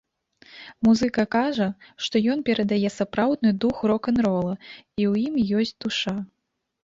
Музыка кажа, што ён перадае сапраўдны дух рок-н-рола і ў ім ёсць душа.